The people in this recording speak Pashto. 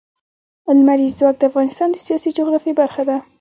لمریز ځواک د افغانستان د سیاسي جغرافیه برخه ده.